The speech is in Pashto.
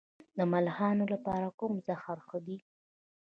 د ملخانو لپاره کوم زهر ښه دي؟